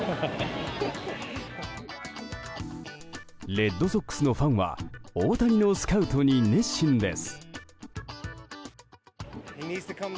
レッドソックスのファンは大谷のスカウトに熱心です。